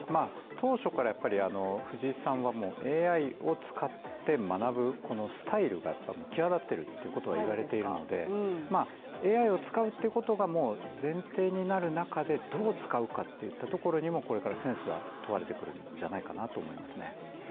当初から藤井さんはＡＩを使って学ぶスタイルが際立っているということが言われているのでＡＩを使うってことが前提になる中でどう使うかっていうところにもこれからセンスが問われてくるんじゃないかなと思いますね。